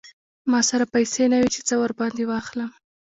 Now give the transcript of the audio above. ما سره پیسې نه وې چې څه ور باندې واخلم.